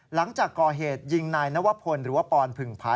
หลังจากก่อเหตุยิงนายนวพลหรือว่าปอนผึ่งผา